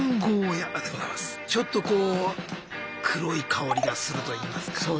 ちょっとこう黒い香りがするといいますか。